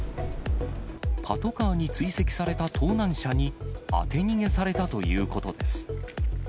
パトカーに追跡された盗難車に当て逃げされたということです。